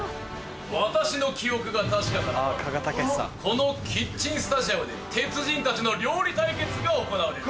私の記憶が確かならばこのキッチンスタジアムで鉄人たちの料理対決が行われる。